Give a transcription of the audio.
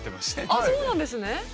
あっそうなんですね。